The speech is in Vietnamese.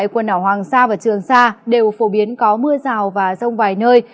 quần đảo hoàng sa và trường sa đều phổ biến có mưa rào và rông vài nơi